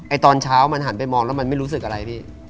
ตอนเช้ามันหันไปมองแล้วมันไม่รู้สึกอะไรพี่